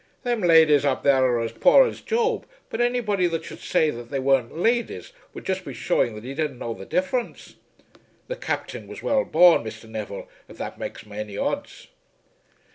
"Thim ladies up there are as poor as Job, but anybody that should say that they weren't ladies would just be shewing that he didn't know the difference. The Captain was well born, Mr. Neville, av' that makes ony odds."